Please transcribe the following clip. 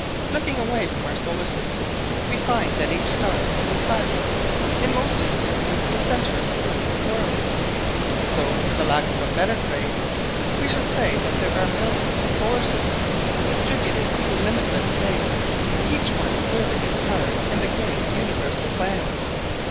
Looking away from our solar system, we find that each star is a sun, in most instances the center of a group of worlds. So, for the lack of a better phrase, we shall say that there are millions of solar systems distributed through limitless space, each one serving its part in the great universal plan.